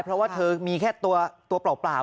เพราะว่าเธอมีแค่ตัวเปล่า